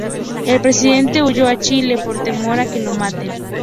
El Presidente huyó a Chile por temor a que lo maten.